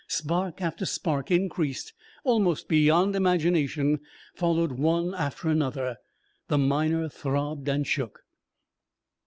Spark after spark, increased almost beyond imagination, followed one after another. The Miner throbbed and shook.